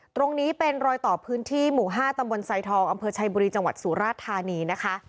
ตรงนี้เป็นรอยต่อพื้นที่หมู่๕ตำบลไซทองอำเภอชัยบุรีจังหวัดสุราชธานีนะคะ